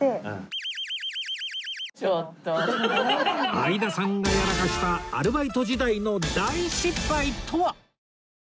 相田さんがやらかしたアルバイト時代の大失敗とは！？